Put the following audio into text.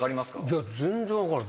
いや全然分からん。